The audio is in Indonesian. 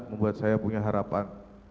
membuat saya punya harapan